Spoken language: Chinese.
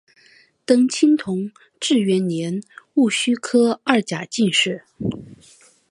登清同治元年壬戌科二甲进士。